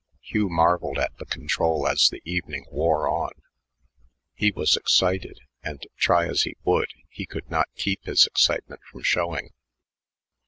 Hugh marveled at the control as the evening wore on. He was excited, and, try as he would, he could not keep his excitement from showing.